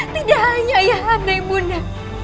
tidak hanya ayah ada ibunda